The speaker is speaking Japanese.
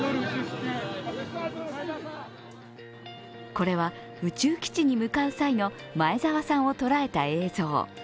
これは宇宙基地に向かう際の前澤さんを捉えた映像。